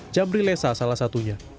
jamri lesa salah satunya